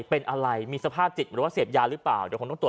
เป็นอะไรมีสภาพจิตหรือเสียบยาหรือเปล่า